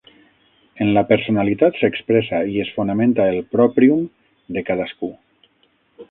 En la personalitat s'expressa i es fonamenta el 'proprium' de cadascú.